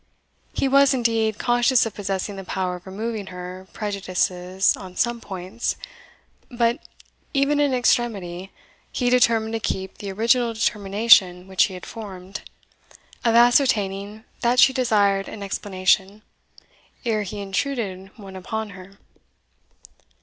He was, indeed, conscious of possessing the power of removing her prejudices on some points; but, even in extremity, he determined to keep the original determination which he had formed, of ascertaining that she desired an explanation, ere he intruded one upon her.